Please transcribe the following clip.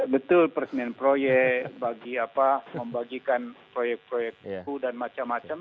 betul peresmian proyek bagi apa membagikan proyek proyek itu dan macam macam